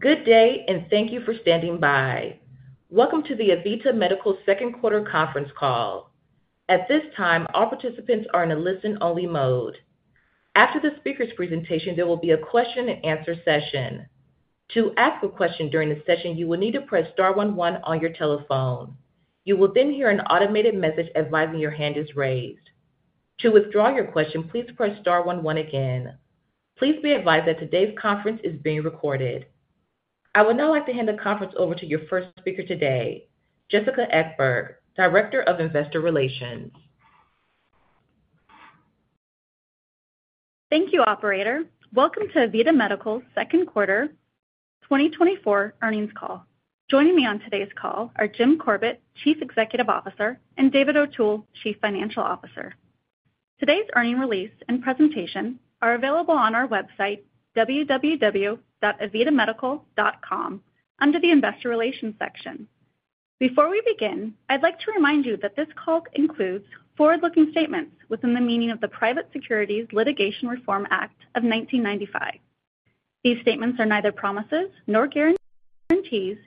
Good day, and thank you for standing by. Welcome to the AVITA Medical Second Quarter Conference Call. At this time, all participants are in a listen-only mode. After the speaker's presentation, there will be a question and answer session. To ask a question during the session, you will need to press star one one on your telephone. You will then hear an automated message advising your hand is raised. To withdraw your question, please press star one one again. Please be advised that today's conference is being recorded. I would now like to hand the conference over to your first speaker today, Jessica Ekeberg, Director of Investor Relations. Thank you, operator. Welcome to AVITA Medical's second quarter 2024 earnings call. Joining me on today's call are Jim Corbett, Chief Executive Officer, and David O'Toole, Chief Financial Officer. Today's earnings release and presentation are available on our website, www.avitamedical.com, under the Investor Relations section. Before we begin, I'd like to remind you that this call includes forward-looking statements within the meaning of the Private Securities Litigation Reform Act of 1995. These statements are neither promises nor guarantees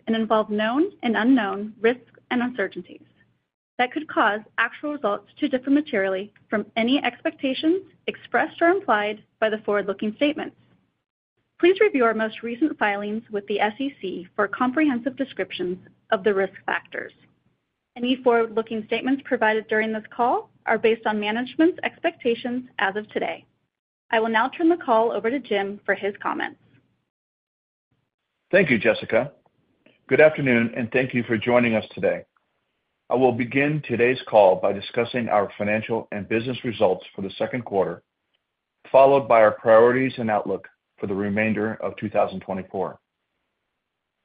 and involve known and unknown risks and uncertainties that could cause actual results to differ materially from any expectations expressed or implied by the forward-looking statements. Please review our most recent filings with the SEC for comprehensive descriptions of the risk factors. Any forward-looking statements provided during this call are based on management's expectations as of today. I will now turn the call over to Jim for his comments. Thank you, Jessica. Good afternoon, and thank you for joining us today. I will begin today's call by discussing our financial and business results for the second quarter, followed by our priorities and outlook for the remainder of 2024.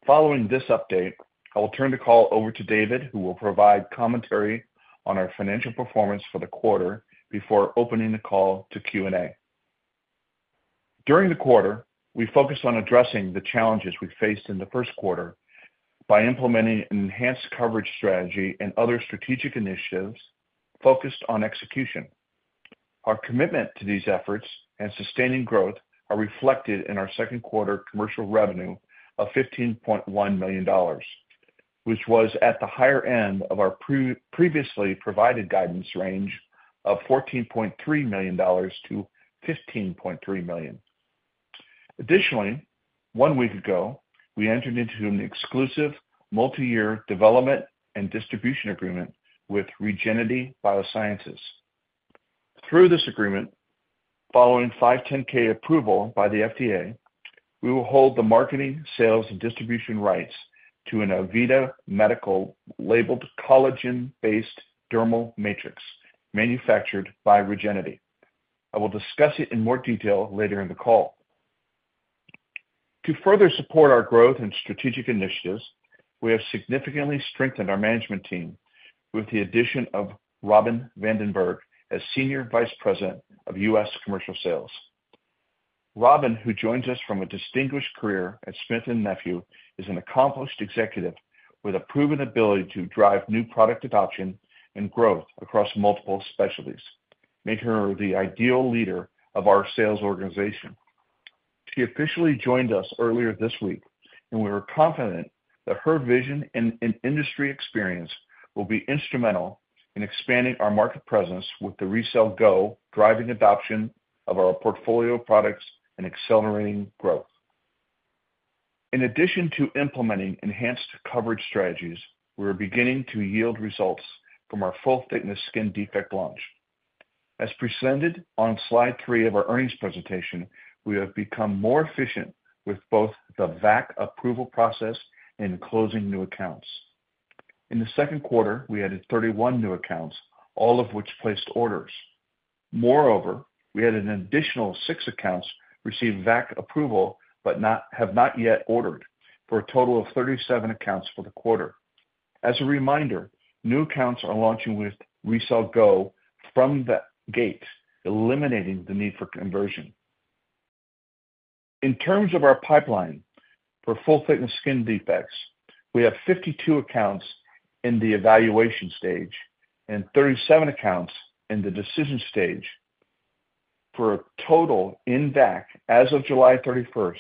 Following this update, I will turn the call over to David, who will provide commentary on our financial performance for the quarter before opening the call to Q&A. During the quarter, we focused on addressing the challenges we faced in the first quarter by implementing an enhanced coverage strategy and other strategic initiatives focused on execution. Our commitment to these efforts and sustaining growth are reflected in our second quarter commercial revenue of $15.1 million, which was at the higher end of our previously provided guidance range of $14.3 million to $15.3 million. Additionally, one week ago, we entered into an exclusive multiyear development and distribution agreement with Regenity Biosciences. Through this agreement, following 510(k) approval by the FDA, we will hold the marketing, sales, and distribution rights to an AVITA Medical-labeled collagen-based dermal matrix manufactured by Regenity. I will discuss it in more detail later in the call. To further support our growth and strategic initiatives, we have significantly strengthened our management team with the addition of Robin Vandenberg as Senior Vice President of U.S. Commercial Sales. Robin, who joins us from a distinguished career at Smith & Nephew, is an accomplished executive with a proven ability to drive new product adoption and growth across multiple specialties, making her the ideal leader of our sales organization. She officially joined us earlier this week, and we are confident that her vision and industry experience will be instrumental in expanding our market presence with the RECELL GO, driving adoption of our portfolio of products and accelerating growth. In addition to implementing enhanced coverage strategies, we are beginning to yield results from our full-thickness skin defect launch. As presented on slide 3 of our earnings presentation, we have become more efficient with both the VAC approval process and closing new accounts. In the second quarter, we added 31 new accounts, all of which placed orders. Moreover, we had an additional six accounts receive VAC approval, but have not yet ordered, for a total of 37 accounts for the quarter. As a reminder, new accounts are launching with RECELL GO from the gate, eliminating the need for conversion. In terms of our pipeline for full-thickness skin defects, we have 52 accounts in the evaluation stage and 37 accounts in the decision stage, for a total in VAC as of July 31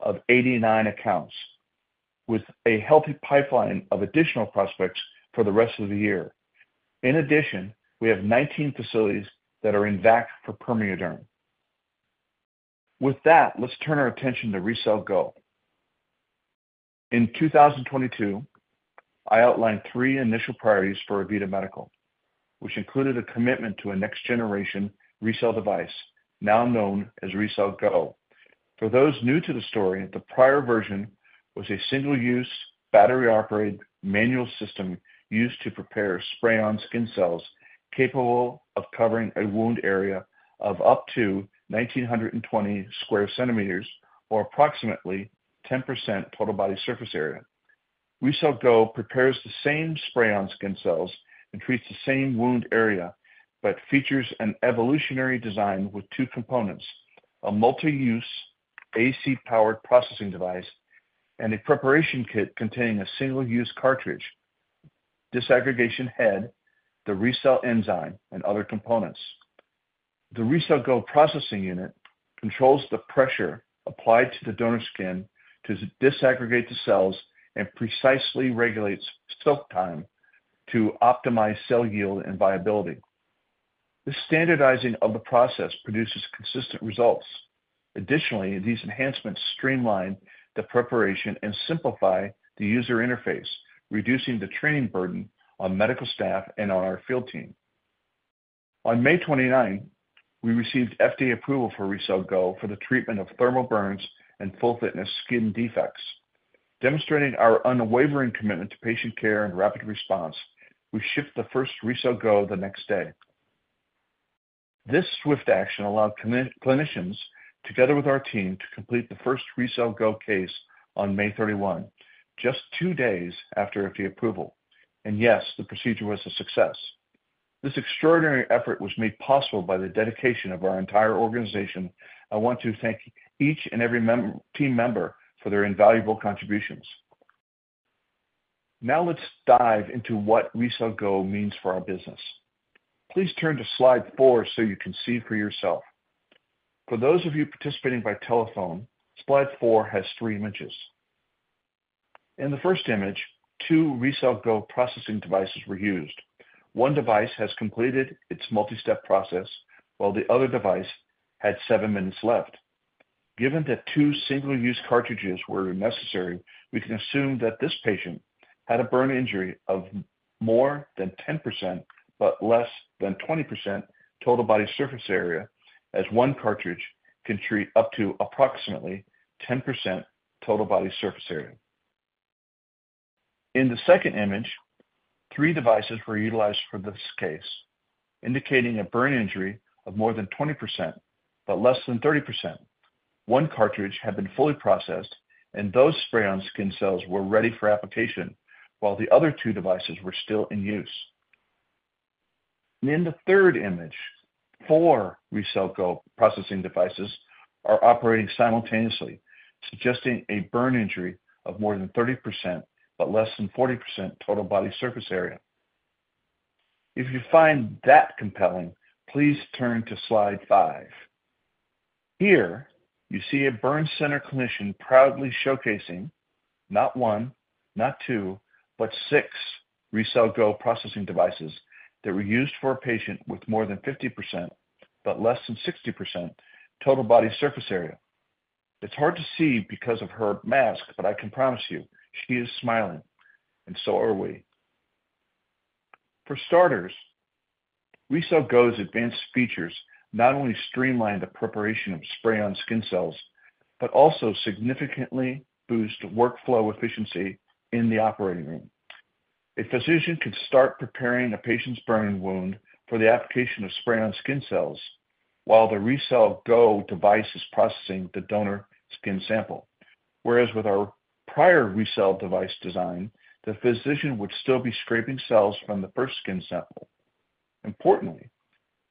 of 89 accounts, with a healthy pipeline of additional prospects for the rest of the year. In addition, we have 19 facilities that are in VAC for PermeaDerm. With that, let's turn our attention to RECELL GO. In 2022, I outlined three initial priorities for AVITA Medical, which included a commitment to a next-generation RECELL device, now known as RECELL GO. For those new to the story, the prior version was a single-use, battery-operated manual system used to prepare spray-on skin cells capable of covering a wound area of up to 1,920 sq cm or approximately 10% total body surface area. RECELL GO prepares the same spray-on skin cells and treats the same wound area, but features an evolutionary design with two components: a multi-use AC-powered processing device and a preparation kit containing a single-use cartridge, disaggregation head, the RECELL enzyme, and other components. The RECELL GO processing unit controls the pressure applied to the donor skin to disaggregate the cells and precisely regulates soak time to optimize cell yield and viability. This standardizing of the process produces consistent results. Additionally, these enhancements streamline the preparation and simplify the user interface, reducing the training burden on medical staff and on our field team. On May 29, we received FDA approval for RECELL GO for the treatment of thermal burns and full-thickness skin defects. Demonstrating our unwavering commitment to patient care and rapid response, we shipped the first RECELL GO the next day. This swift action allowed clinicians, together with our team, to complete the first RECELL GO case on May 31, just two days after FDA approval. Yes, the procedure was a success. This extraordinary effort was made possible by the dedication of our entire organization. I want to thank each and every team member for their invaluable contributions. Now let's dive into what RECELL GO means for our business. Please turn to Slide four so you can see for yourself. For those of you participating by telephone, Slide four has three images. In the first image, two RECELL GO processing devices were used. One device has completed its multi-step process, while the other device had seven minutes left. Given that two single-use cartridges were necessary, we can assume that this patient had a burn injury of more than 10%, but less than 20% total body surface area, as one cartridge can treat up to approximately 10% total body surface area. In the second image, three devices were utilized for this case, indicating a burn injury of more than 20%, but less than 30%. One cartridge had been fully processed, and those spray-on skin cells were ready for application, while the other 2 devices were still in use. In the third image, 4 RECELL GO processing devices are operating simultaneously, suggesting a burn injury of more than 30%, but less than 40% total body surface area. If you find that compelling, please turn to Slide five. Here, you see a burn center clinician proudly showcasing not one, not two, but six RECELL GO processing devices that were used for a patient with more than 50%, but less than 60% total body surface area. It's hard to see because of her mask, but I can promise you, she is smiling, and so are we. For starters, RECELL GO's advanced features not only streamline the preparation of spray-on skin cells, but also significantly boost workflow efficiency in the operating room. A physician can start preparing a patient's burn wound for the application of spray-on skin cells while the RECELL GO device is processing the donor skin sample. Whereas with our prior RECELL device design, the physician would still be scraping cells from the first skin sample. Importantly,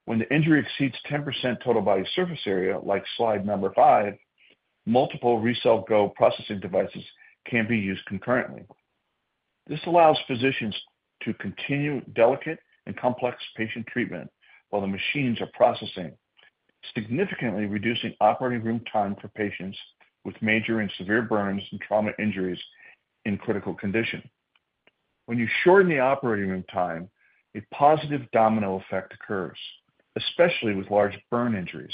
when the injury exceeds 10% total body surface area, like slide number five, multiple RECELL GO processing devices can be used concurrently. This allows physicians to continue delicate and complex patient treatment while the machines are processing, significantly reducing operating room time for patients with major and severe burns and trauma injuries in critical condition. When you shorten the operating room time, a positive domino effect occurs, especially with large burn injuries.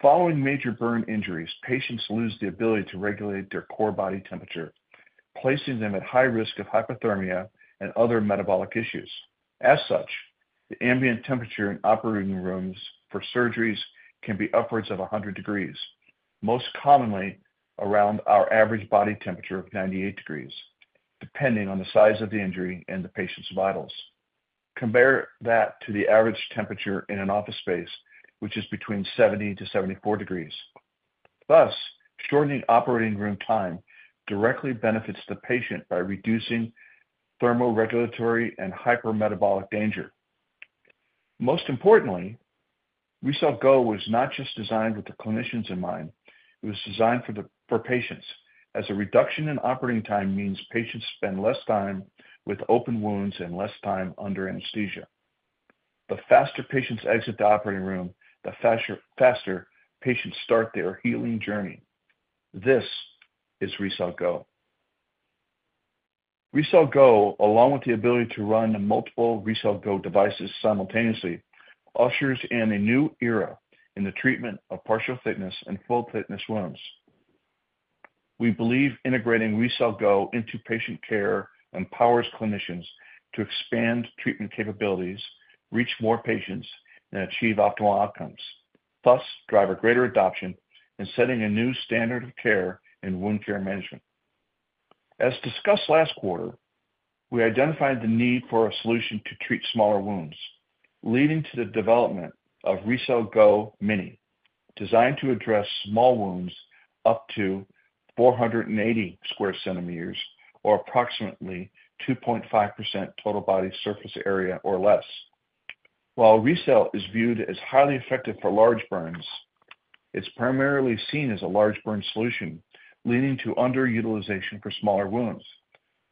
Following major burn injuries, patients lose the ability to regulate their core body temperature, placing them at high risk of hypothermia and other metabolic issues. As such, the ambient temperature in operating rooms for surgeries can be upwards of 100 degrees, most commonly around our average body temperature of 98 degrees, depending on the size of the injury and the patient's vitals. Compare that to the average temperature in an office space, which is between 70-74 degrees. Thus, shortening operating room time directly benefits the patient by reducing thermoregulatory and hypermetabolic danger. Most importantly, RECELL GO was not just designed with the clinicians in mind, it was designed for patients, as a reduction in operating time means patients spend less time with open wounds and less time under anesthesia. The faster patients exit the operating room, the faster, faster patients start their healing journey. This is RECELL GO. RECELL GO, along with the ability to run multiple RECELL GO devices simultaneously, ushers in a new era in the treatment of partial-thickness and full-thickness wounds. We believe integrating RECELL GO into patient care empowers clinicians to expand treatment capabilities, reach more patients, and achieve optimal outcomes, thus drive a greater adoption in setting a new standard of care in wound care management. As discussed last quarter, we identified the need for a solution to treat smaller wounds, leading to the development of RECELL GO Mini, designed to address small wounds up to 480 sq cm or approximately 2.5% total body surface area or less. While RECELL is viewed as highly effective for large burns. It's primarily seen as a large burn solution, leading to underutilization for smaller wounds.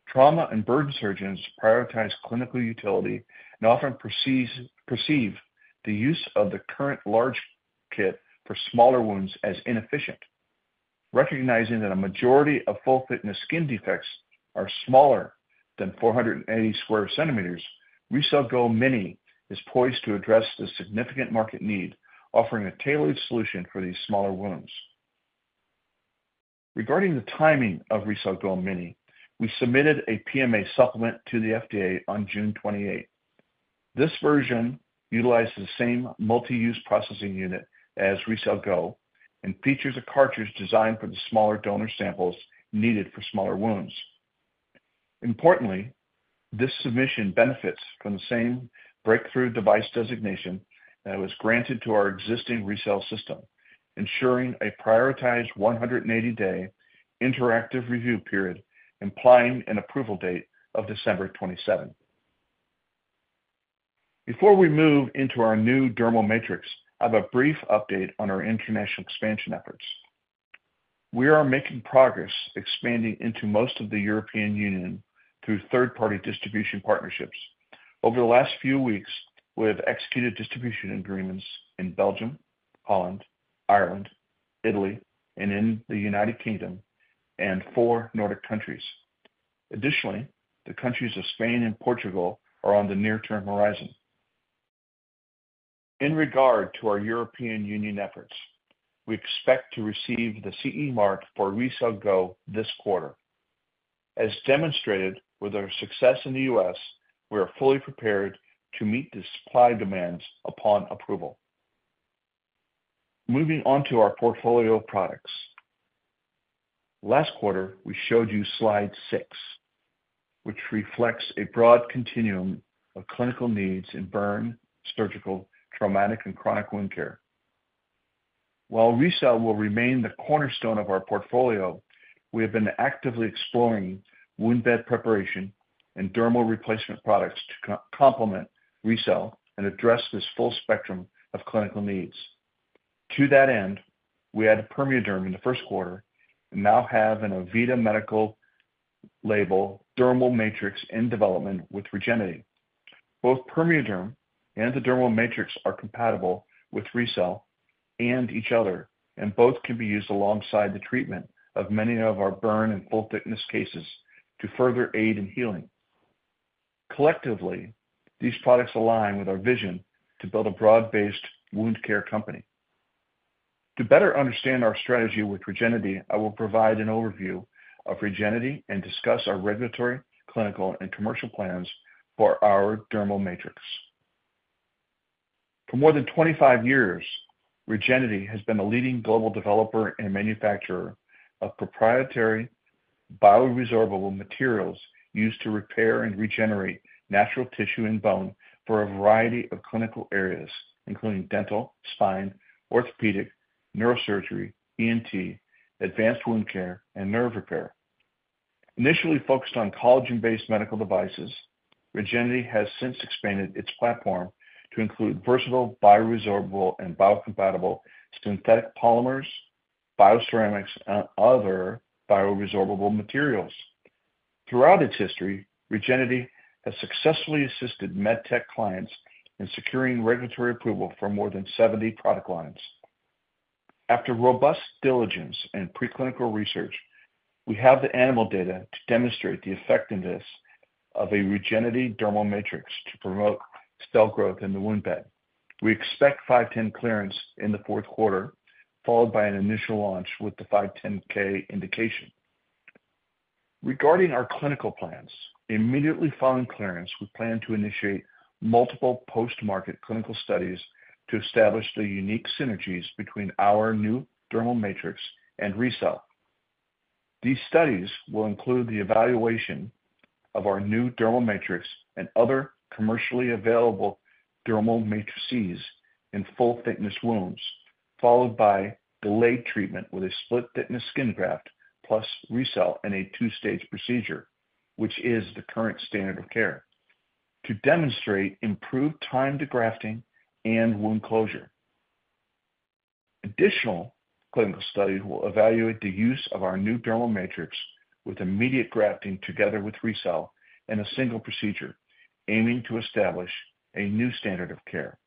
Trauma and burn surgeons prioritize clinical utility and often perceive the use of the current large kit for smaller wounds as inefficient. Recognizing that a majority of full-thickness skin defects are smaller than 480 sq cm, RECELL GO Mini is poised to address the significant market need, offering a tailored solution for these smaller wounds. Regarding the timing of RECELL GO Mini, we submitted a PMA supplement to the FDA on June 28. This version utilizes the same multi-use processing unit as RECELL GO and features a cartridge designed for the smaller donor samples needed for smaller wounds. Importantly, this submission benefits from the same breakthrough device designation that was granted to our existing RECELL System, ensuring a prioritized 180-day interactive review period, implying an approval date of December 27. Before we move into our new dermal matrix, I have a brief update on our international expansion efforts. We are making progress expanding into most of the European Union through third-party distribution partnerships. Over the last few weeks, we have executed distribution agreements in Belgium, Holland, Ireland, Italy, and in the United Kingdom, and 4 Nordic countries. Additionally, the countries of Spain and Portugal are on the near-term horizon. In regard to our European Union efforts, we expect to receive the CE mark for RECELL GO this quarter. As demonstrated with our success in the U.S., we are fully prepared to meet the supply demands upon approval. Moving on to our portfolio of products. Last quarter, we showed you slide 6, which reflects a broad continuum of clinical needs in burn, surgical, traumatic, and chronic wound care. While RECELL will remain the cornerstone of our portfolio, we have been actively exploring wound bed preparation and dermal replacement products to complement RECELL and address this full spectrum of clinical needs. To that end, we added PermeaDerm in the first quarter and now have an AVITA Medical label dermal matrix in development with Regenity. Both PermeaDerm and the dermal matrix are compatible with RECELL and each other, and both can be used alongside the treatment of many of our burn and full-thickness cases to further aid in healing. Collectively, these products align with our vision to build a broad-based wound care company. To better understand our strategy with Regenity, I will provide an overview of Regenity and discuss our regulatory, clinical, and commercial plans for our dermal matrix. For more than 25 years, Regenity has been a leading global developer and manufacturer of proprietary bioresorbable materials used to repair and regenerate natural tissue and bone for a variety of clinical areas, including dental, spine, orthopedic, neurosurgery, ENT, advanced wound care, and nerve repair. Initially focused on collagen-based medical devices, Regenity has since expanded its platform to include versatile, bioresorbable, and biocompatible synthetic polymers, bioceramics, and other bioresorbable materials. Throughout its history, Regenity has successfully assisted med tech clients in securing regulatory approval for more than 70 product lines. After robust diligence and preclinical research, we have the animal data to demonstrate the effectiveness of a Regenity dermal matrix to promote cell growth in the wound bed. We expect 510(k) clearance in the fourth quarter, followed by an initial launch with the 510(k) indication. Regarding our clinical plans, immediately following clearance, we plan to initiate multiple post-market clinical studies to establish the unique synergies between our new dermal matrix and RECELL. These studies will include the evaluation of our new dermal matrix and other commercially available dermal matrices in full-thickness wounds, followed by delayed treatment with a split-thickness skin graft plus RECELL in a two-stage procedure, which is the current standard of care, to demonstrate improved time to grafting and wound closure. Additional clinical studies will evaluate the use of our new dermal matrix with immediate grafting together with RECELL in a single procedure, aiming to establish a new standard of care.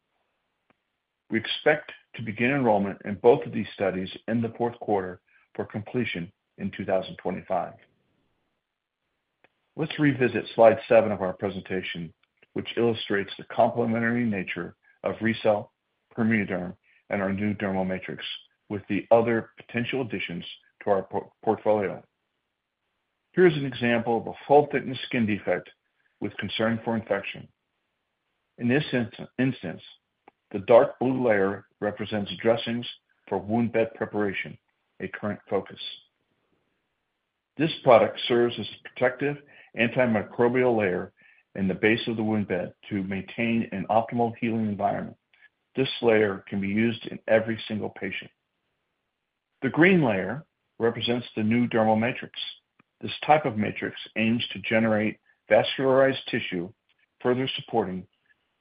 We expect to begin enrollment in both of these studies in the fourth quarter for completion in 2025. Let's revisit slide seven of our presentation, which illustrates the complementary nature of RECELL, PermeaDerm, and our new dermal matrix with the other potential additions to our portfolio. Here's an example of a full-thickness skin defect with concern for infection. In this instance, the dark blue layer represents dressings for wound bed preparation, a current focus. This product serves as a protective, antimicrobial layer in the base of the wound bed to maintain an optimal healing environment. This layer can be used in every single patient. The green layer represents the new dermal matrix. This type of matrix aims to generate vascularized tissue, further supporting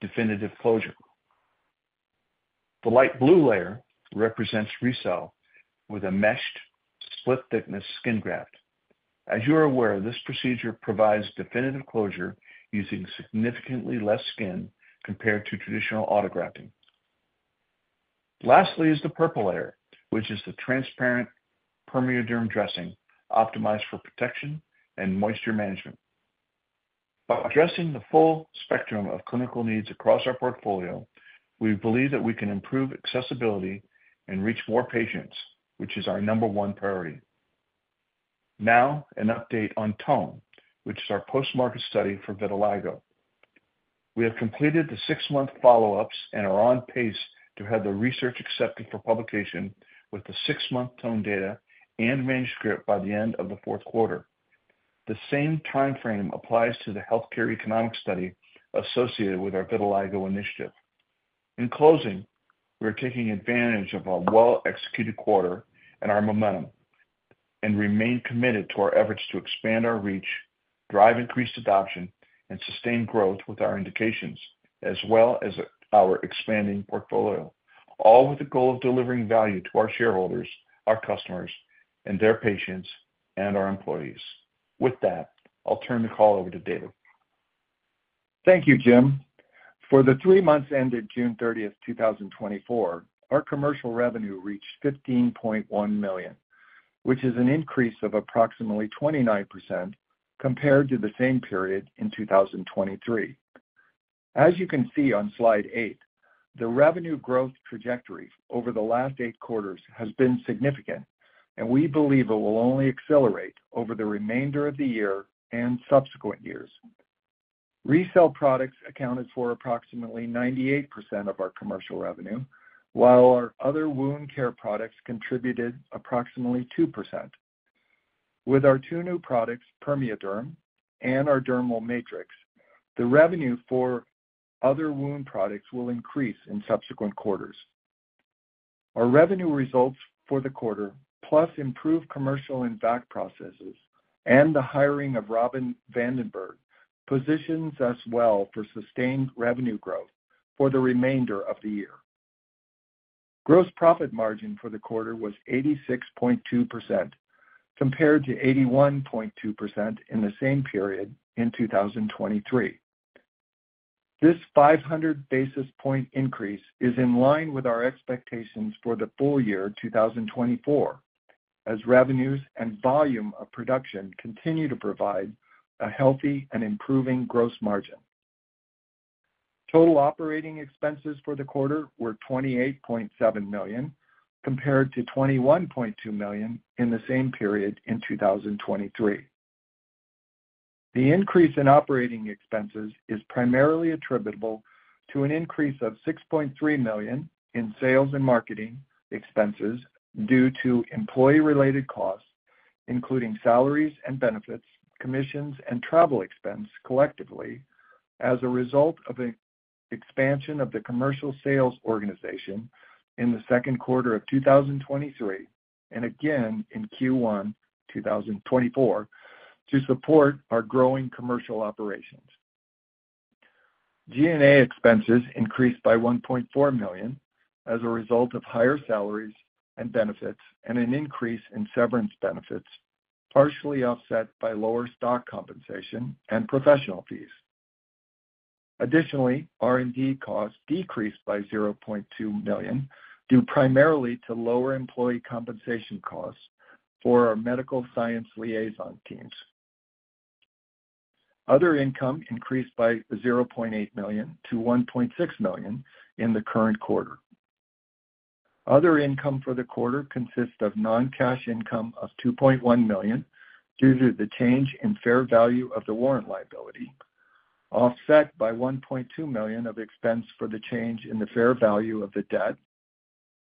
definitive closure. The light blue layer represents RECELL with a meshed split-thickness skin graft. As you are aware, this procedure provides definitive closure using significantly less skin compared to traditional autografting. Lastly is the purple layer, which is the transparent PermeaDerm dressing, optimized for protection and moisture management. By addressing the full spectrum of clinical needs across our portfolio, we believe that we can improve accessibility and reach more patients, which is our number one priority. Now, an update on TONE, which is our post-market study for vitiligo. We have completed the six-month follow-ups and are on pace to have the research accepted for publication with the six-month TONE data and manuscript by the end of the fourth quarter. The same time frame applies to the healthcare economic study associated with our vitiligo initiative. In closing, we are taking advantage of our well-executed quarter and our momentum, and remain committed to our efforts to expand our reach, drive increased adoption, and sustain growth with our indications, as well as our expanding portfolio, all with the goal of delivering value to our shareholders, our customers, and their patients, and our employees. With that, I'll turn the call over to David. Thank you, Jim. For the three months ended June 30, 2024, our commercial revenue reached $15.1 million, which is an increase of approximately 29% compared to the same period in 2023. As you can see on slide 8, the revenue growth trajectory over the last 8 quarters has been significant, and we believe it will only accelerate over the remainder of the year and subsequent years. RECELL products accounted for approximately 98% of our commercial revenue, while our other wound care products contributed approximately 2%. With our two new products, PermeaDerm and our dermal matrix, the revenue for other wound products will increase in subsequent quarters. Our revenue results for the quarter, plus improved commercial and VAC processes, and the hiring of Robin Vandenberg, positions us well for sustained revenue growth for the remainder of the year. Gross profit margin for the quarter was 86.2%, compared to 81.2% in the same period in 2023. This 500 basis point increase is in line with our expectations for the full year 2024, as revenues and volume of production continue to provide a healthy and improving gross margin. Total operating expenses for the quarter were $28.7 million, compared to $21.2 million in the same period in 2023. The increase in operating expenses is primarily attributable to an increase of $6.3 million in sales and marketing expenses due to employee-related costs, including salaries and benefits, commissions, and travel expense collectively, as a result of the expansion of the commercial sales organization in the second quarter of 2023, and again in Q1 2024, to support our growing commercial operations. G&A expenses increased by $1.4 million as a result of higher salaries and benefits, and an increase in severance benefits, partially offset by lower stock compensation and professional fees. Additionally, R&D costs decreased by $0.2 million, due primarily to lower employee compensation costs for our medical science liaison teams. Other income increased by $0.8 million to $1.6 million in the current quarter. Other income for the quarter consists of non-cash income of $2.1 million due to the change in fair value of the warrant liability, offset by $1.2 million of expense for the change in the fair value of the debt,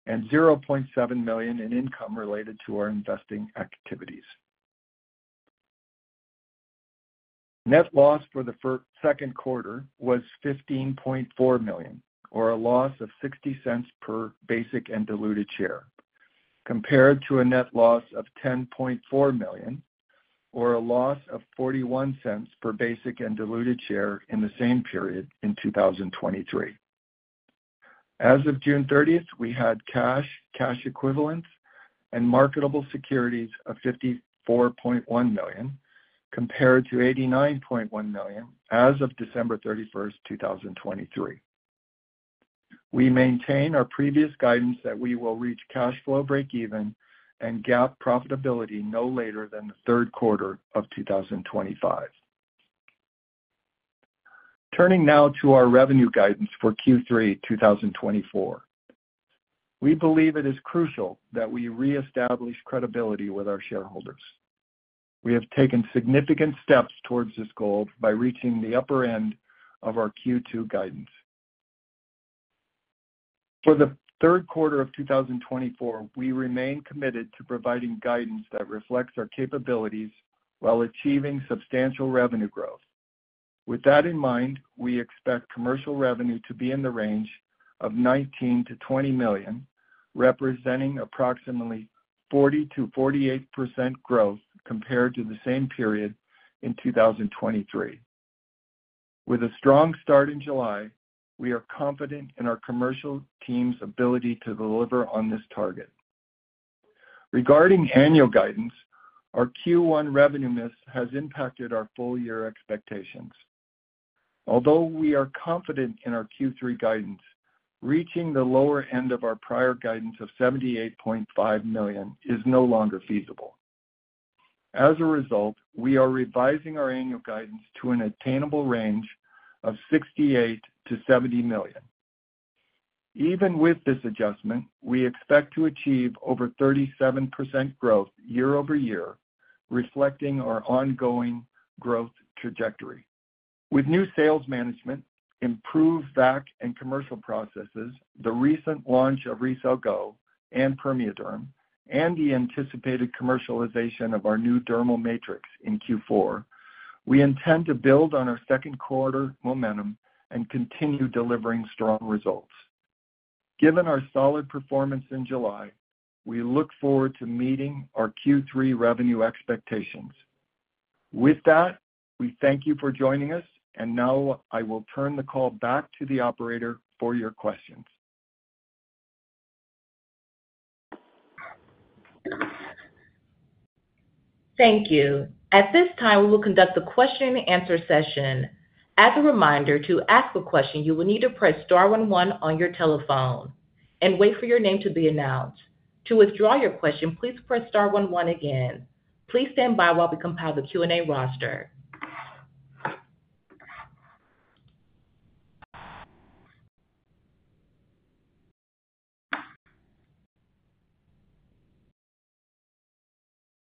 and $0.7 million in income related to our investing activities. Net loss for the second quarter was $15.4 million, or a loss of $0.60 per basic and diluted share, compared to a net loss of $10.4 million, or a loss of $0.41 per basic and diluted share in the same period in 2023. As of June 30, we had cash, cash equivalents, and marketable securities of $54.1 million, compared to $89.1 million as of December 31, 2023. We maintain our previous guidance that we will reach cash flow break even and GAAP profitability no later than the third quarter of 2025. Turning now to our revenue guidance for Q3 2024. We believe it is crucial that we reestablish credibility with our shareholders. We have taken significant steps towards this goal by reaching the upper end of our Q2 guidance. For the third quarter of 2024, we remain committed to providing guidance that reflects our capabilities while achieving substantial revenue growth. With that in mind, we expect commercial revenue to be in the range of $19 million-$20 million, representing approximately 40%-48% growth compared to the same period in 2023. With a strong start in July, we are confident in our commercial team's ability to deliver on this target. Regarding annual guidance, our Q1 revenue miss has impacted our full-year expectations. Although we are confident in our Q3 guidance, reaching the lower end of our prior guidance of $78.5 million is no longer feasible. As a result, we are revising our annual guidance to an attainable range of $68 million-$70 million. Even with this adjustment, we expect to achieve over 37% growth year-over-year, reflecting our ongoing growth trajectory. With new sales management, improved VAC and commercial processes, the recent launch of RECELL GO and PermeaDerm, and the anticipated commercialization of our new dermal matrix in Q4, we intend to build on our second quarter momentum and continue delivering strong results. Given our solid performance in July, we look forward to meeting our Q3 revenue expectations. With that, we thank you for joining us, and now I will turn the call back to the operator for your questions. Thank you. At this time, we will conduct a question and answer session. As a reminder, to ask a question, you will need to press star one one on your telephone and wait for your name to be announced. To withdraw your question, please press star one one again. Please stand by while we compile the Q&A roster.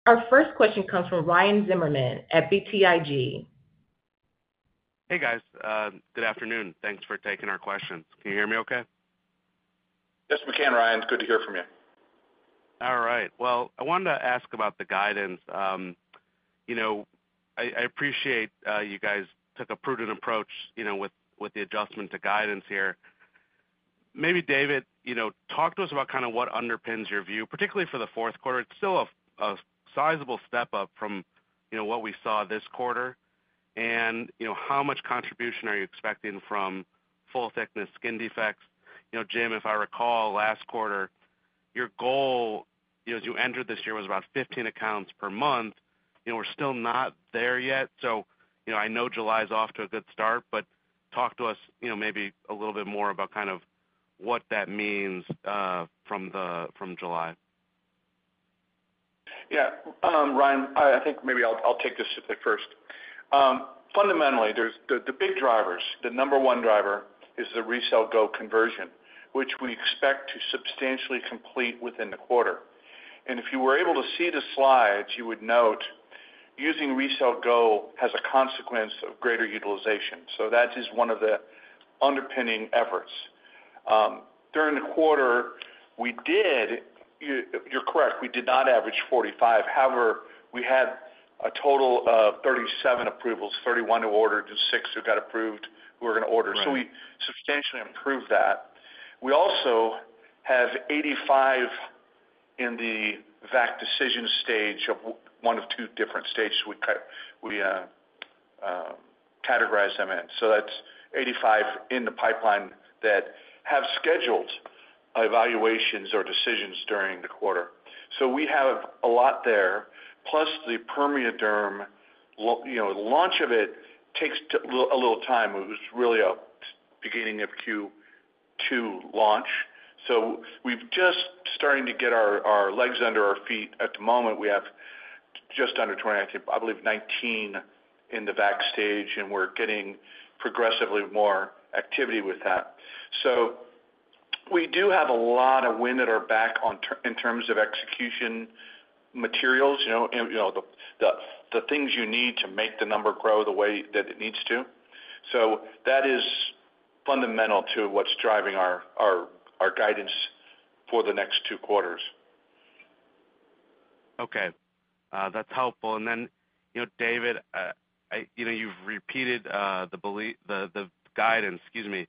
Our first question comes from Ryan Zimmerman at BTIG. Hey, guys. Good afternoon. Thanks for taking our questions. Can you hear me okay? Yes, we can, Ryan. Good to hear from you. All right. Well, I wanted to ask about the guidance. You know, I appreciate you guys took a prudent approach, you know, with the adjustment to guidance here. Maybe, David, you know, talk to us about kind of what underpins your view, particularly for the fourth quarter. It's still a sizable step up from, you know, what we saw this quarter. You know, how much contribution are you expecting from full thickness skin defects? You know, Jim, if I recall last quarter, your goal, you know, as you entered this year, was about 15 accounts per month. You know, we're still not there yet, so, you know, I know July is off to a good start, but talk to us, you know, maybe a little bit more about kind of what that means from July. Yeah, Ryan, I think maybe I'll take this at the first. Fundamentally, there's the big drivers, the number one driver is the RECELL GO conversion, which we expect to substantially complete within the quarter. And if you were able to see the slides, you would note using RECELL GO has a consequence of greater utilization. So that is one of the underpinning efforts. During the quarter, we did. You're correct, we did not average 45. However, we had a total of 37 approvals, 31 who ordered, and 6 who got approved, who were gonna order. Right. So we substantially improved that. We also have 85 in the VAC decision stage of one of two different stages we categorize them in. So that's 85 in the pipeline that have scheduled evaluations or decisions during the quarter. So we have a lot there. Plus, the PermeaDerm, you know, the launch of it takes a little time. It was really a beginning of Q2 launch. So we've just starting to get our legs under our feet. At the moment, we have just under 20, I believe, 19 in the VAC stage, and we're getting progressively more activity with that. So we do have a lot of wind at our back in terms of execution materials, you know, and, you know, the things you need to make the number grow the way that it needs to. So that is fundamental to what's driving our guidance for the next two quarters. Okay, that's helpful. And then, you know, David, I, you know, you've repeated the guidance, excuse me,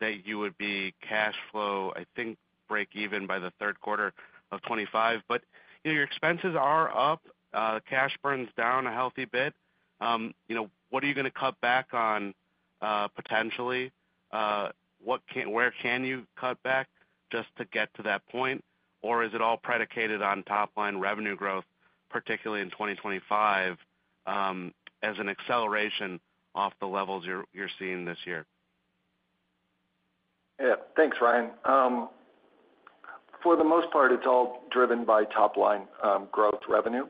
that you would be cash flow, I think, break even by the third quarter of 2025. But, you know, your expenses are up, cash burns down a healthy bit. You know, what are you going to cut back on, potentially? Where can you cut back just to get to that point? Or is it all predicated on top line revenue growth, particularly in 2025, as an acceleration off the levels you're seeing this year? Yeah. Thanks, Ryan. For the most part, it's all driven by top line growth revenue.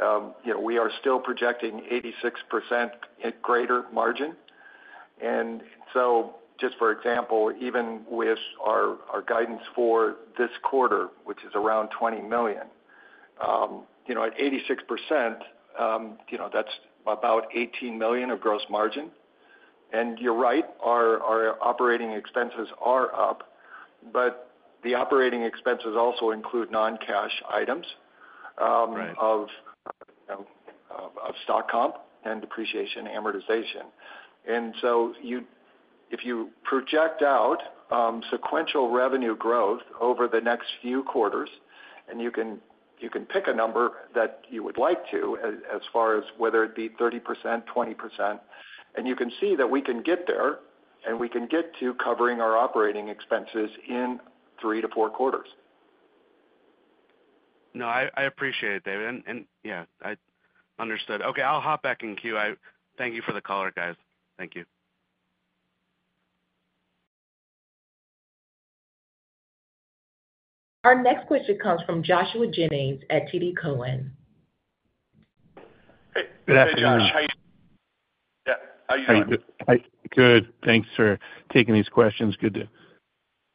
You know, we are still projecting 86% gross margin. And so, just for example, even with our, our guidance for this quarter, which is around $20 million, you know, at 86%, you know, that's about $18 million of gross margin. And you're right, our, our operating expenses are up, but the operating expenses also include non-cash items, of stock comp and depreciation amortization. So, if you project out sequential revenue growth over the next few quarters, and you can pick a number that you would like to, as far as whether it be 30%, 20%, and you can see that we can get there, and we can get to covering our operating expenses in three to four quarters. No, I appreciate it, David. And yeah, I understood. Okay, I'll hop back in queue. I thank you for the color, guys. Thank you. Our next question comes from Joshua Jennings at TD Cowen. Hey, good afternoon, Josh. How are you? How you doing? Good. Thanks for taking these questions. Good to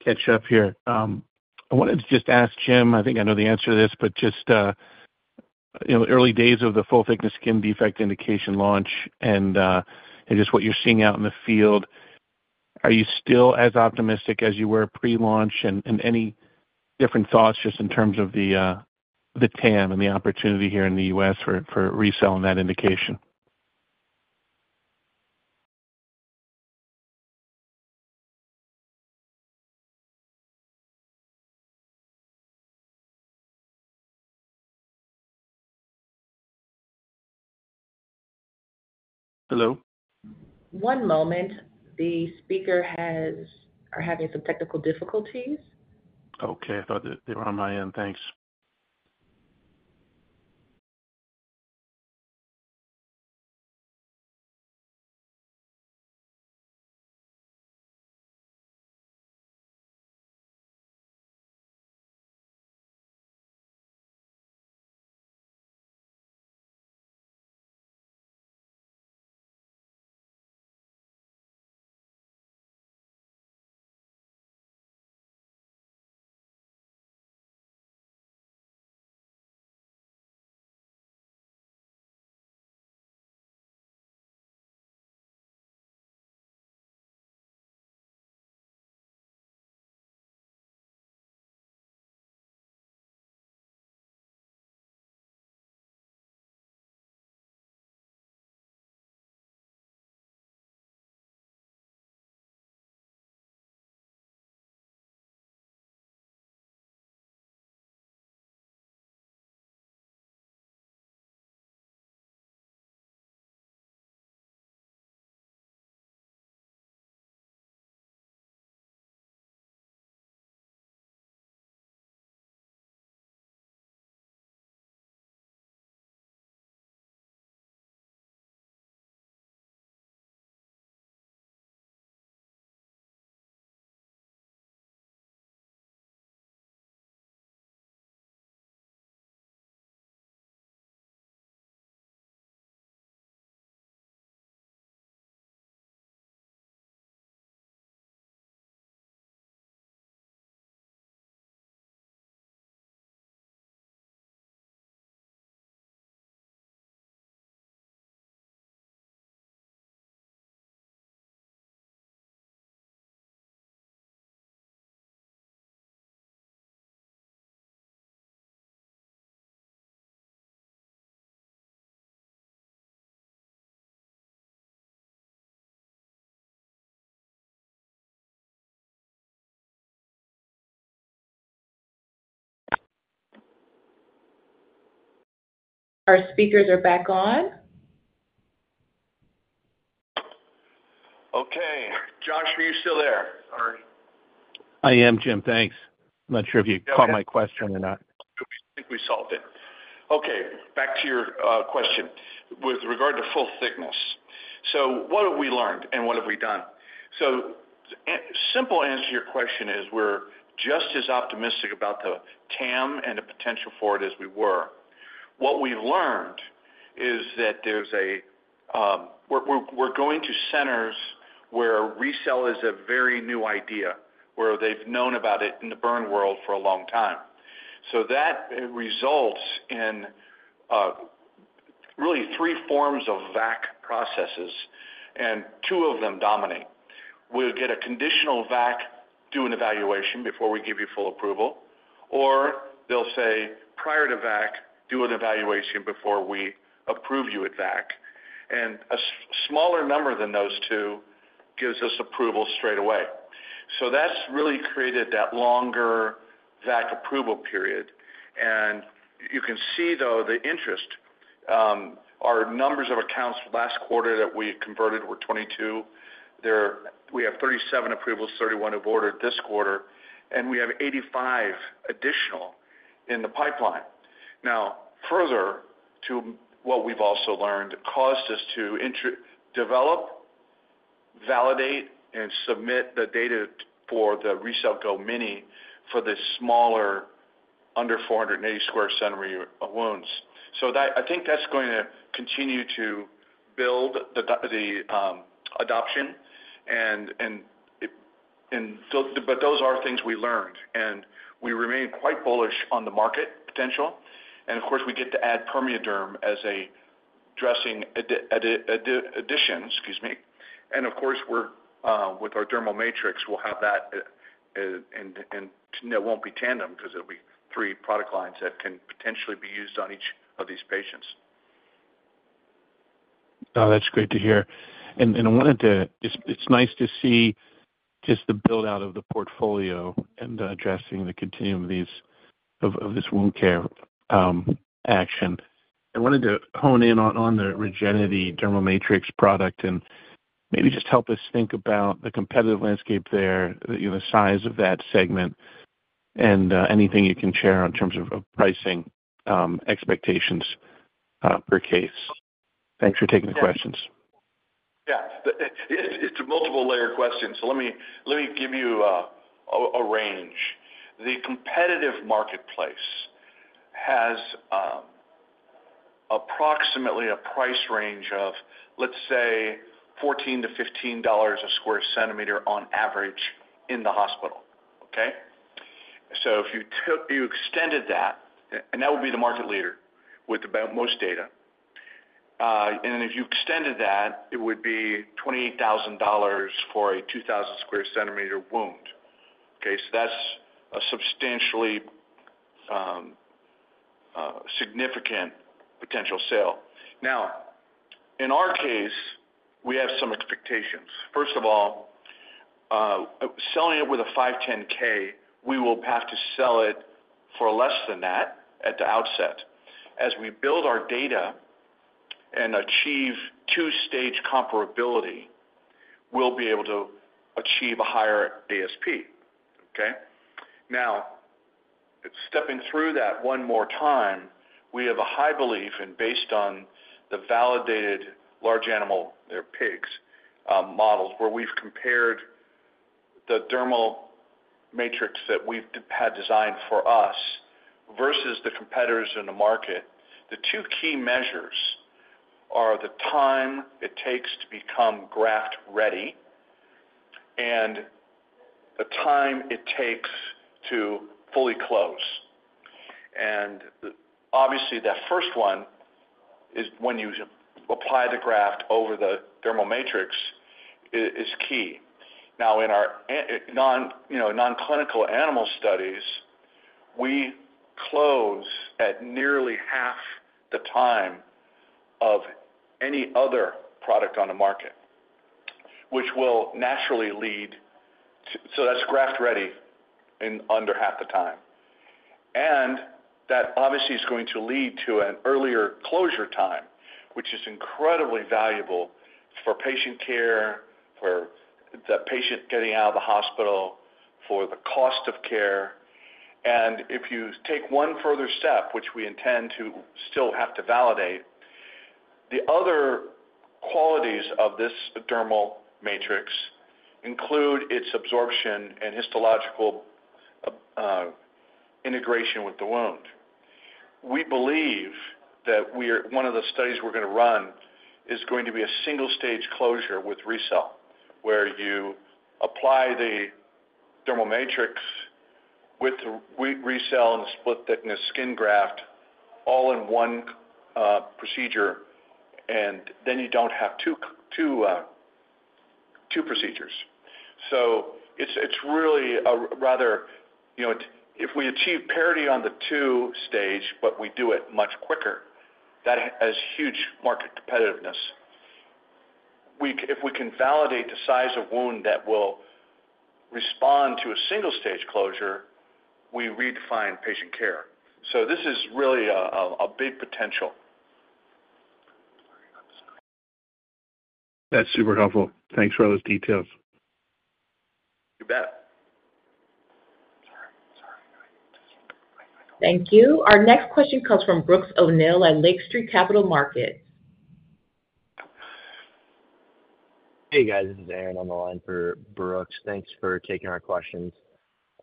catch up here. I wanted to just ask Jim, I think I know the answer to this, but just, you know, early days of the full thickness skin defect indication launch and, and just what you're seeing out in the field, are you still as optimistic as you were pre-launch? And any different thoughts just in terms of the TAM and the opportunity here in the U.S. for RECELL and that indication? Hello? One moment. The speaker are having some technical difficulties. Okay. I thought they were on my end. Thanks. Our speakers are back on. Okay. Josh, are you still there? Sorry. I am, Jim, thanks. I'm not sure if you caught my question or not. I think we solved it. Okay, back to your question. With regard to full thickness, so what have we learned and what have we done? So, simple answer to your question is we're just as optimistic about the TAM and the potential for it as we were. What we learned is that there's a, we're, we're going to centers where RECELL is a very new idea, where they've known about it in the burn world for a long time. So that results in, really three forms of VAC processes, and two of them dominate. We'll get a conditional VAC, do an evaluation before we give you full approval, or they'll say, prior to VAC, do an evaluation before we approve you at VAC. And a smaller number than those two gives us approval straight away. So that's really created that longer VAC approval period. You can see, though, the interest, our numbers of accounts last quarter that we converted were 22. There, we have 37 approvals, 31 have ordered this quarter, and we have 85 additional in the pipeline. Now, further to what we've also learned caused us to develop, validate, and submit the data for the RECELL GO Mini for the smaller under 480 sq cm wounds. So that, I think that's going to continue to build the adoption. And so, but those are things we learned, and we remain quite bullish on the market potential. And of course, we get to add PermeaDerm as an addition, excuse me. And of course, we're with our dermal matrix. We'll have that, and it won't be tandem because it'll be three product lines that can potentially be used on each of these patients. Oh, that's great to hear. I wanted to—it's nice to see just the build out of the portfolio and addressing the continuum of these, of this wound care action. I wanted to hone in on the Regenity dermal matrix product, and maybe just help us think about the competitive landscape there, you know, the size of that segment, and anything you can share in terms of pricing expectations per case. Thanks for taking the questions. Yeah. It's a multiple layer question, so let me give you a range. The competitive marketplace has approximately a price range of, let's say, $14-$15 a square centimeter on average in the hospital, okay? So if you extended that, and that would be the market leader with the most data, and if you extended that, it would be $28,000 for a 2,000 square centimeter wound, okay? So that's a substantially significant potential sale. Now, in our case, we have some expectations. First of all, selling it with a 510(k), we will have to sell it for less than that at the outset. As we build our data and achieve two-stage comparability, we'll be able to achieve a higher ASP, okay? Now, stepping through that one more time, we have a high belief, and based on the validated large animal, they're pigs, models, where we've compared the dermal matrix that we've had designed for us versus the competitors in the market. The two key measures are the time it takes to become graft ready and the time it takes to fully close. And obviously, that first one is when you apply the graft over the dermal matrix, is key. Now, in our nonclinical animal studies, you know, we close at nearly half the time of any other product on the market, which will naturally lead, so that's graft ready in under half the time. And that obviously is going to lead to an earlier closure time, which is incredibly valuable for patient care, for the patient getting out of the hospital, for the cost of care. If you take one further step, which we intend to still have to validate, the other qualities of this dermal matrix include its absorption and histological integration with the wound. We believe that one of the studies we're going to run is going to be a single stage closure with RECELL, where you apply the dermal matrix with RECELL and the split thickness skin graft all in one procedure, and then you don't have two, two, two procedures. So it's, it's really a rather, you know, if we achieve parity on the two stage, but we do it much quicker, that has huge market competitiveness. If we can validate the size of wound that will respond to a single stage closure, we redefine patient care. So this is really a big potential. That's super helpful. Thanks for all those details. You bet. Thank you. Our next question comes from Brooks O'Neil at Lake Street Capital Markets. Hey, guys, this is Aaron on the line for Brooks. Thanks for taking our questions.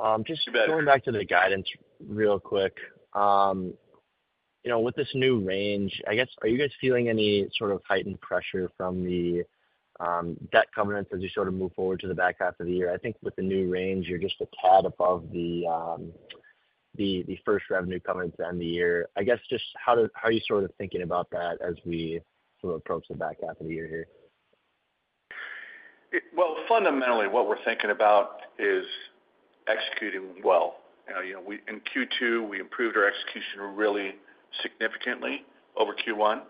You bet. Just going back to the guidance real quick. You know, with this new range, I guess, are you guys feeling any sort of heightened pressure from the debt covenants as you sort of move forward to the back half of the year? I think with the new range, you're just a tad above the first revenue covenants to end the year. I guess just how are you sort of thinking about that as we sort of approach the back half of the year here? Well, fundamentally, what we're thinking about is executing well. You know, in Q2, we improved our execution really significantly over Q1.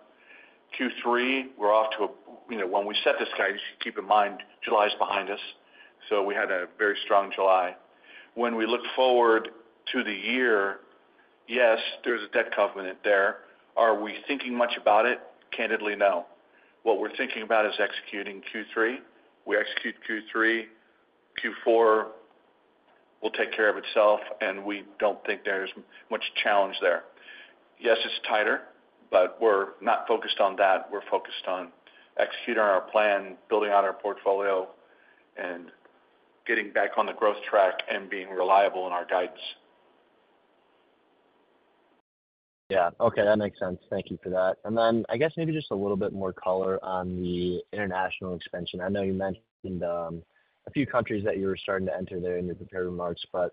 Q3, we're off to a, you know, when we set this guidance, keep in mind, July is behind us, so we had a very strong July. When we look forward to the year, yes, there's a debt covenant there. Are we thinking much about it? Candidly, no. What we're thinking about is executing Q3. We execute Q3, Q4 will take care of itself, and we don't think there's much challenge there. Yes, it's tighter, but we're not focused on that. We're focused on executing on our plan, building out our portfolio, and getting back on the growth track and being reliable in our guides. Yeah. Okay, that makes sense. Thank you for that. And then I guess maybe just a little bit more color on the international expansion. I know you mentioned a few countries that you were starting to enter there in your prepared remarks, but,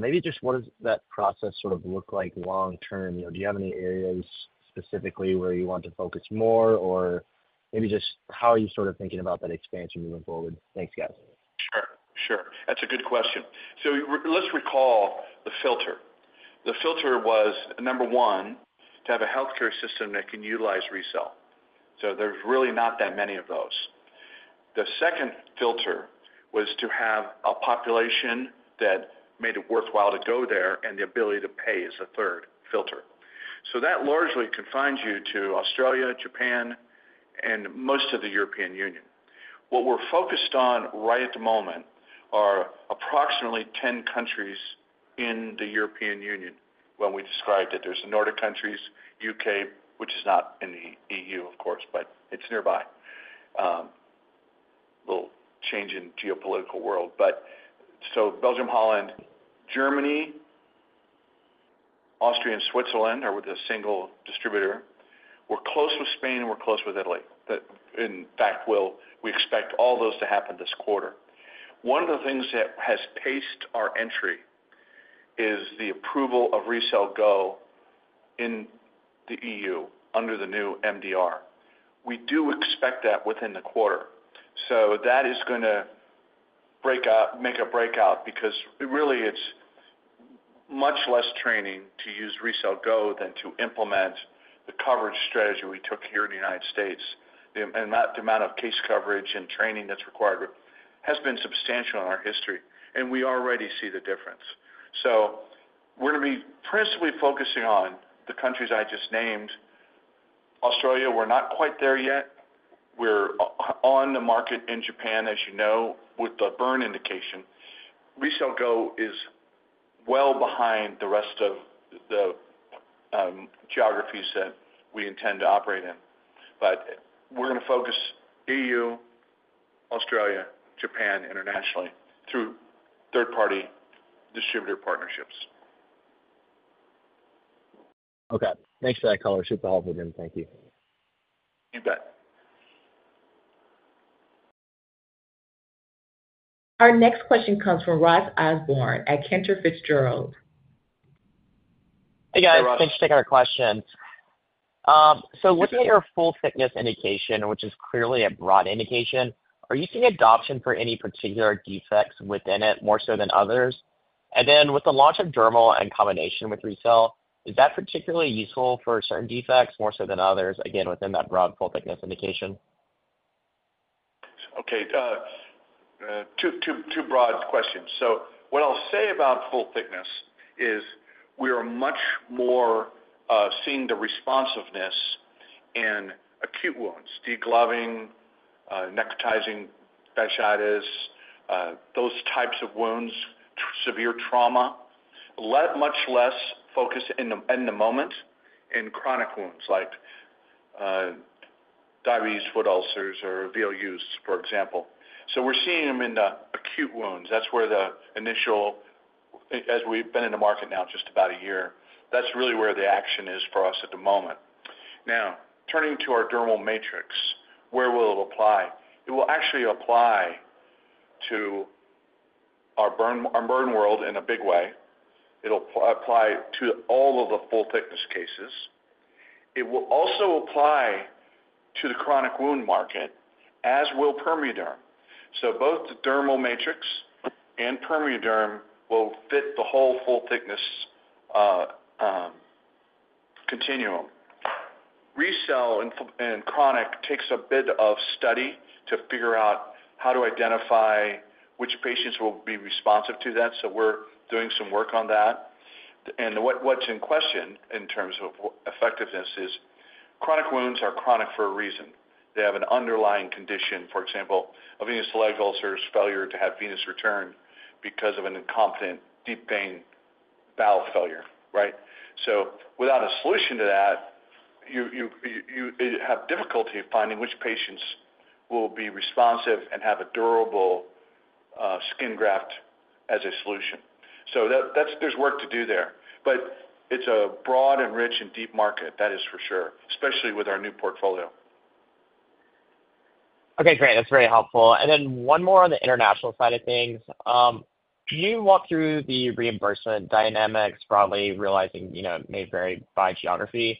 maybe just what does that process sort of look like long term? You know, do you have any areas specifically where you want to focus more? Or maybe just how are you sort of thinking about that expansion moving forward? Thanks, guys. Sure, sure. That's a good question. So let's recall the filter. The filter was, number one, to have a healthcare system that can utilize RECELL. So there's really not that many of those. The second filter was to have a population that made it worthwhile to go there, and the ability to pay is the third filter. So that largely confines you to Australia, Japan, and most of the European Union. What we're focused on right at the moment are approximately 10 countries in the European Union. When we described it, there's the Nordic countries, U.K., which is not in the EU, of course, but it's nearby. A little change in geopolitical world. But so Belgium, Holland, Germany, Austria, and Switzerland are with a single distributor. We're close with Spain, and we're close with Italy. That, in fact, we'll- we expect all those to happen this quarter. One of the things that has paced our entry is the approval of RECELL GO in the EU under the new MDR. We do expect that within the quarter. So that is gonna break out, make a breakout because really, it's much less training to use RECELL GO than to implement the coverage strategy we took here in the United States. The amount of case coverage and training that's required has been substantial in our history, and we already see the difference. So we're gonna be principally focusing on the countries I just named. Australia, we're not quite there yet. We're on the market in Japan, as you know, with the burn indication. RECELL GO is well behind the rest of the geographies that we intend to operate in. But we're gonna focus EU, Australia, Japan, internationally through third-party distributor partnerships. Okay. Thanks for that color. Super helpful again. Thank you. You bet. Our next question comes from Ross Osborn at Cantor Fitzgerald. Hey, guys. Hey, Ross. Thanks for taking our questions. So looking at your full thickness indication, which is clearly a broad indication, are you seeing adoption for any particular defects within it, more so than others? And then with the launch of dermal and combination with RECELL, is that particularly useful for certain defects, more so than others, again, within that broad full thickness indication? Okay, two broad questions. So what I'll say about full thickness is we are much more seeing the responsiveness in acute wounds, degloving, necrotizing fasciitis, those types of wounds, severe trauma. Much less focus in the moment in chronic wounds, like diabetes foot ulcers, or VLU, for example. So we're seeing them in the acute wounds. That's where the initial, as we've been in the market now just about a year, that's really where the action is for us at the moment. Now, turning to our dermal matrix, where will it apply? It will actually apply to our burn world in a big way. It'll apply to all of the full thickness cases. It will also apply to the chronic wound market, as will PermeaDerm. So both the dermal matrix and PermeaDerm will fit the whole full thickness continuum. RECELL in chronic takes a bit of study to figure out how to identify which patients will be responsive to that, so we're doing some work on that. And what's in question in terms of effectiveness is chronic wounds are chronic for a reason. They have an underlying condition, for example, a venous leg ulcers, failure to have venous return because of an incompetent deep vein valve failure, right? So without a solution to that, you have difficulty finding which patients will be responsive and have a durable skin graft as a solution. So that's there's work to do there, but it's a broad and rich and deep market, that is for sure, especially with our new portfolio. Okay, great. That's very helpful. And then one more on the international side of things. Can you walk through the reimbursement dynamics, broadly realizing, you know, it may vary by geography?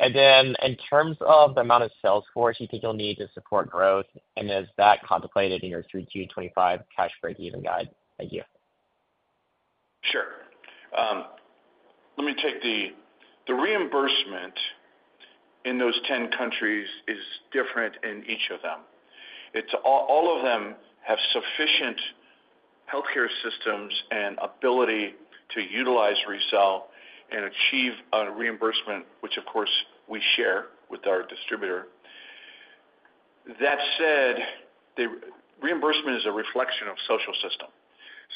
And then in terms of the amount of sales force you think you'll need to support growth, and is that contemplated in your 3Q25 cash break-even guide? Thank you. Sure. Let me take the reimbursement in those ten countries is different in each of them. It's all, all of them have sufficient healthcare systems and ability to utilize RECELL and achieve a reimbursement, which of course we share with our distributor. That said, the reimbursement is a reflection of social system,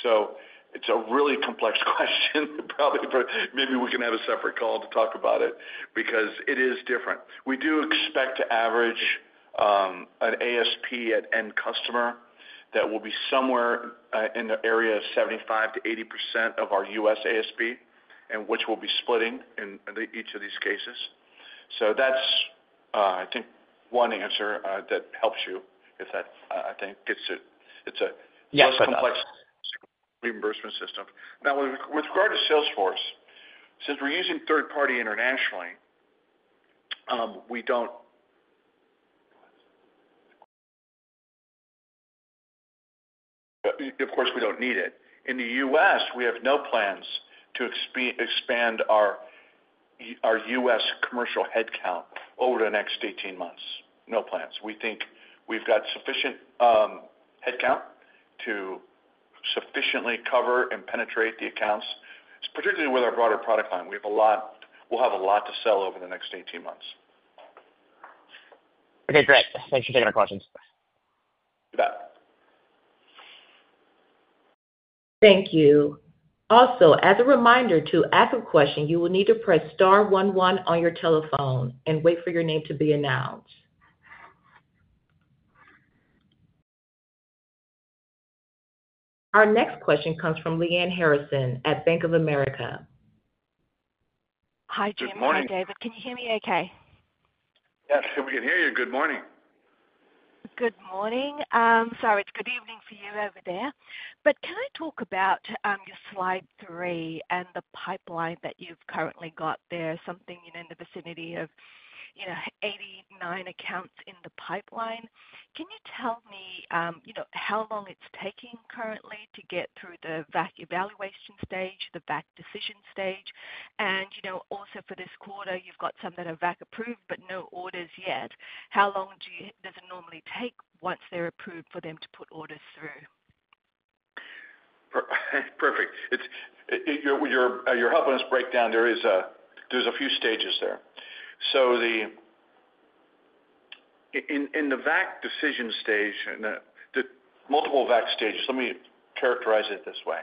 so it's a really complex question, probably for- maybe we can have a separate call to talk about it because it is different. We do expect to average an ASP at end customer that will be somewhere in the area of 75%-80% of our U.S. ASP, and which we'll be splitting in each of these cases. So that's, I think one answer that helps you if that, I think gets it. It's a- Yes, enough. Complex reimbursement system. Now, with regard to sales force, since we're using third-party internationally, we don't, of course, we don't need it. In the U.S., we have no plans to expand our U.S. commercial headcount over the next 18 months. No plans. We think we've got sufficient headcount to sufficiently cover and penetrate the accounts, particularly with our broader product line. We have a lot—we'll have a lot to sell over the next 18 months. Okay, great. Thanks for taking our questions. You bet. Thank you. Also, as a reminder, to ask a question, you will need to press star one one on your telephone and wait for your name to be announced. Our next question comes from Lyanne Harrison at Bank of America. Hi, Jim. Good morning. Morning, David. Can you hear me okay? Yes, we can hear you. Good morning. Good morning. Sorry, it's good evening for you over there. But can I talk about your slide 3 and the pipeline that you've currently got there, something, you know, in the vicinity of, you know, 89 accounts in the pipeline? Can you tell me, you know, how long it's taking currently to get through the VAC evaluation stage, the VAC decision stage? And, you know, also for this quarter, you've got some that are VAC approved, but no orders yet. How long does it normally take once they're approved for them to put orders through? Perfect. It's, you're helping us break down. There's a few stages there. So in the VAC decision stage, and the multiple VAC stages, let me characterize it this way.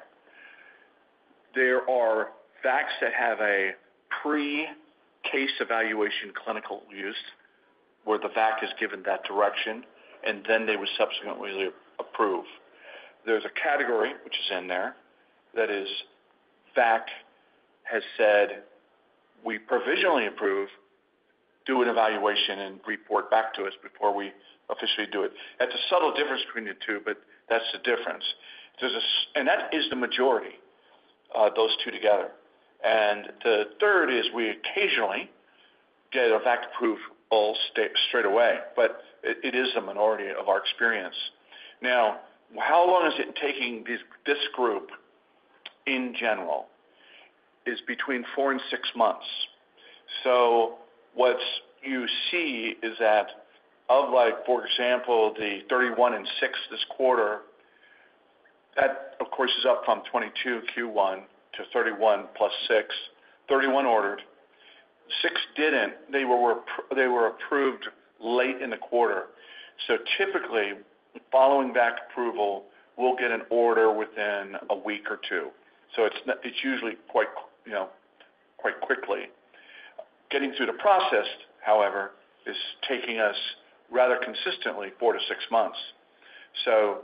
There are VACs that have a pre-case evaluation, clinical use, where the VAC has given that direction, and then they were subsequently approved. There's a category which is in there that is, VAC has said, "We provisionally approve, do an evaluation and report back to us before we officially do it." That's a subtle difference between the two, but that's the difference. There's and that is the majority, those two together. And the third is we occasionally get a VAC approved all straight away, but it is a minority of our experience. Now, how long is it taking this, this group in general? Is between four and six months. So what you see is that of like, for example, the 31 and 6 this quarter, that of course is up from 22 Q1 to 31 + 6, 31 ordered, 6 didn't. They were approved late in the quarter. So typically, following VAC approval, we'll get an order within one week or two. So it's usually quite, you know, quite quickly. Getting through the process, however, is taking us rather consistently four to six months. So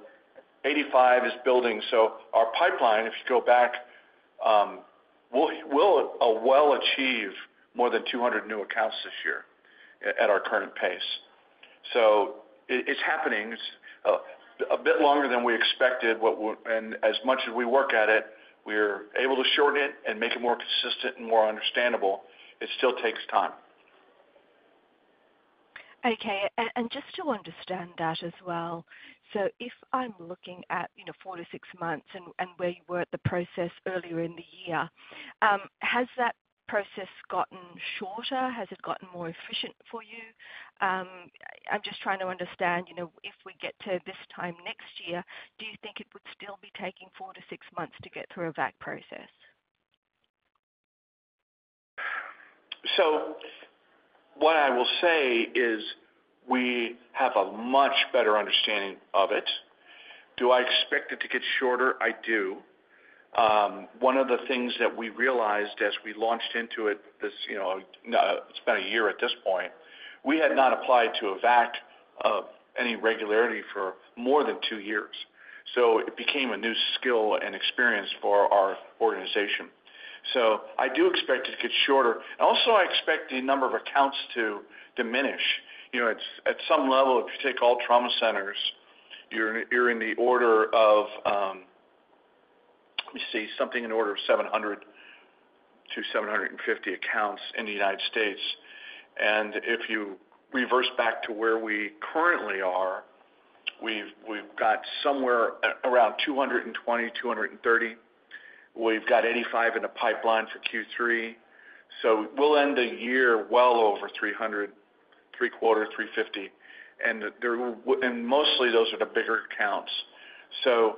85 is building. So our pipeline, if you go back, we'll achieve more than 200 new accounts this year at our current pace. So it, it's happening. It's a bit longer than we expected, but and as much as we work at it, we're able to shorten it and make it more consistent and more understandable. It still takes time. Okay, and just to understand that as well, so if I'm looking at, you know, four to six months and where you were at the process earlier in the year, has that process gotten shorter? Has it gotten more efficient for you? I'm just trying to understand, you know, if we get to this time next year, do you think it would still be taking four to six months to get through a VAC process? So what I will say is, we have a much better understanding of it. Do I expect it to get shorter? I do. One of the things that we realized as we launched into it, this, you know, it's been a year at this point, we had not applied to a VAC of any regularity for more than two years, so it became a new skill and experience for our organization. So I do expect it to get shorter. Also, I expect the number of accounts to diminish. You know, at some level, if you take all trauma centers, you're in the order of, let me see, something in order of 700-750 accounts in the United States. If you reverse back to where we currently are, we've got somewhere around 220-230. We've got 85 in the pipeline for Q3, so we'll end the year well over 300, 375, 350, and mostly those are the bigger accounts. So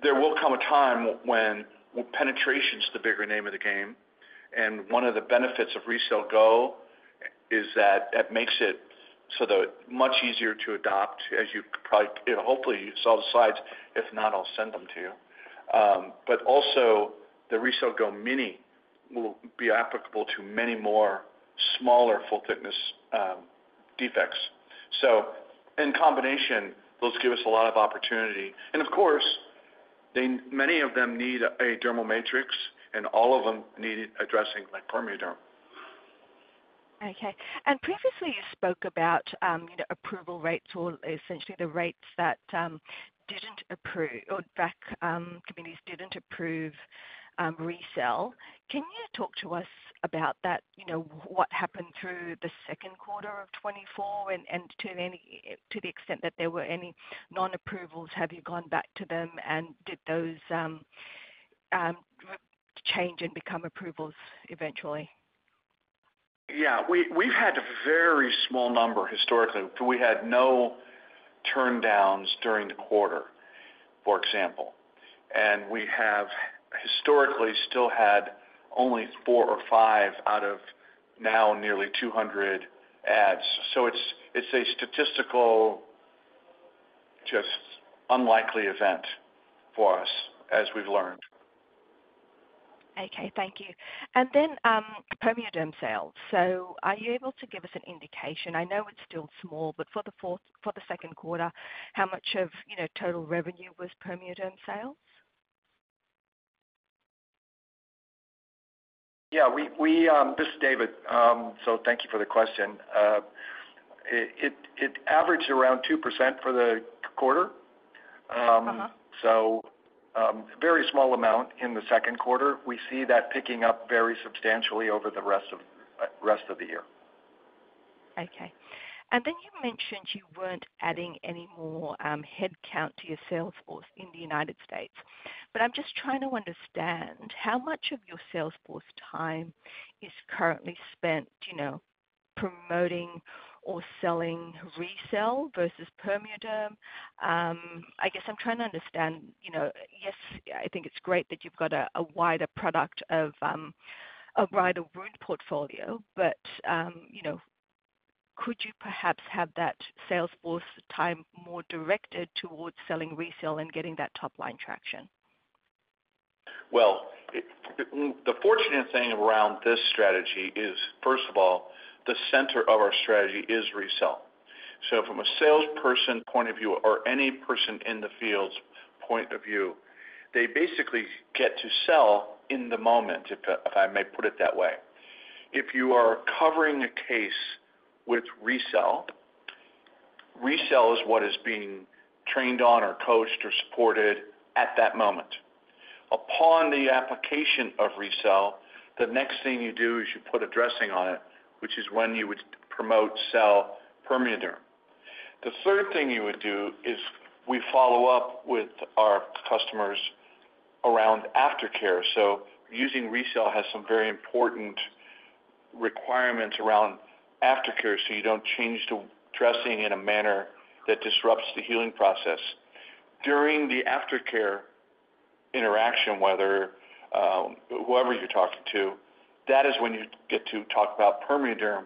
there will come a time when penetration's the bigger name of the game, and one of the benefits of RECELL GO is that it makes it so that much easier to adopt, as you probably, you know, hopefully you saw the slides. If not, I'll send them to you. But also the RECELL GO Mini will be applicable to many more smaller, full-thickness defects. So in combination, those give us a lot of opportunity. And of course, they, many of them need a dermal matrix, and all of them need addressing like PermeaDerm. Okay. And previously, you spoke about, you know, approval rates or essentially the rates that didn't approve or, in fact, committees didn't approve RECELL. Can you talk to us about that? You know, what happened through the second quarter of 2024, and to any, to the extent that there were any non-approvals, have you gone back to them, and did those change and become approvals eventually? Yeah, we've had a very small number historically, but we had no turndowns during the quarter, for example. And we have historically still had only 4 or 5 out of now nearly 200 adds. So it's a statistical, just unlikely event for us, as we've learned. Okay, thank you. And then, PermeaDerm sales. So are you able to give us an indication? I know it's still small, but for the second quarter, how much of, you know, total revenue was PermeaDerm sales? This is David. So thank you for the question. It averaged around 2% for the quarter. Uh-huh. Very small amount in the second quarter. We see that picking up very substantially over the rest of the year. Okay. Then you mentioned you weren't adding any more headcount to your sales force in the United States, but I'm just trying to understand how much of your sales force time is currently spent, you know, promoting or selling RECELL versus PermeaDerm? I guess I'm trying to understand, you know, yes, I think it's great that you've got a wider wound portfolio, but, you know, could you perhaps have that sales force time more directed towards selling RECELL and getting that top-line traction? Well, the fortunate thing around this strategy is, first of all, the center of our strategy is RECELL. So from a salesperson point of view or any person in the field's point of view, they basically get to sell in the moment, if I may put it that way. If you are covering a case with RECELL, RECELL is what is being trained on or coached or supported at that moment. Upon the application of RECELL, the next thing you do is you put a dressing on it, which is when you would promote sell PermeaDerm. The third thing you would do is we follow up with our customers around aftercare. So using RECELL has some very important requirements around aftercare, so you don't change the dressing in a manner that disrupts the healing process. During the aftercare interaction, whether whoever you're talking to, that is when you get to talk about PermeaDerm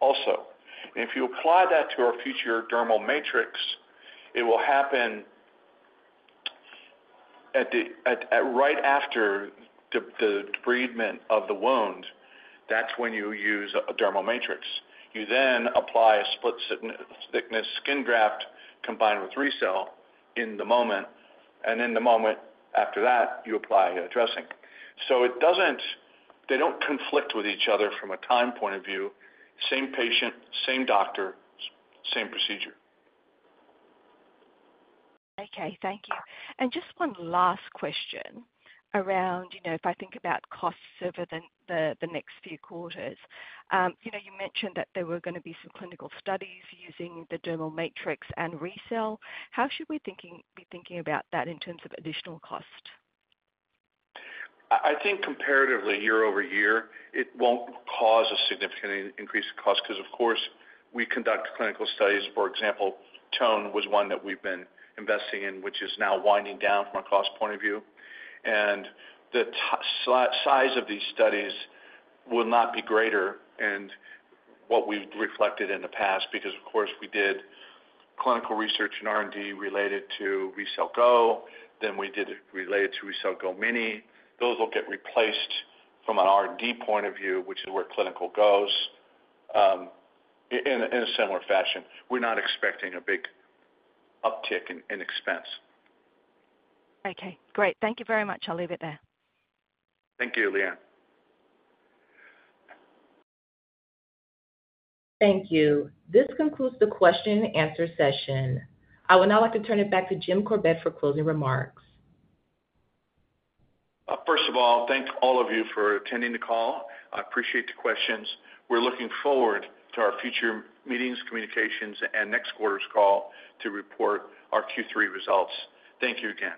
also. If you apply that to our future dermal matrix, it will happen at the right after the debridement of the wound. That's when you use a dermal matrix. You then apply a split-thickness skin graft combined with RECELL in the moment, and in the moment after that, you apply a dressing. So it doesn't, they don't conflict with each other from a time point of view. Same patient, same doctor, same procedure. Okay, thank you. And just one last question around, you know, if I think about costs over the next few quarters. You know, you mentioned that there were gonna be some clinical studies using the dermal matrix and RECELL. How should we be thinking about that in terms of additional cost? I think comparatively year over year, it won't cause a significant increase in cost because, of course, we conduct clinical studies. For example, TONE was one that we've been investing in, which is now winding down from a cost point of view. And the size of these studies will not be greater, and what we've reflected in the past, because, of course, we did clinical research and R&D related to RECELL GO, then we did it related to RECELL GO Mini. Those will get replaced from an R&D point of view, which is where clinical goes, in a similar fashion. We're not expecting a big uptick in expense. Okay, great. Thank you very much. I'll leave it there. Thank you, Lyanne. Thank you. This concludes the question and answer session. I would now like to turn it back to Jim Corbett for closing remarks. First of all, thanks all of you for attending the call. I appreciate the questions. We're looking forward to our future meetings, communications, and next quarter's call to report our Q3 results. Thank you again.